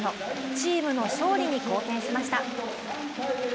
チームの勝利に貢献しました。